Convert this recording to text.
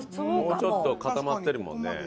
もうちょっと固まってるもんね。